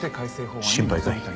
心配かい？